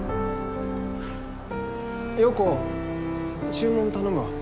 葉子注文頼むわ。